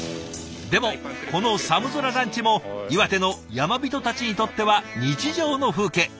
でもこの寒空ランチも岩手の山人たちにとっては日常の風景。